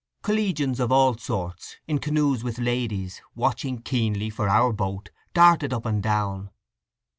Collegians of all sorts, in canoes with ladies, watching keenly for "our" boat, darted up and down.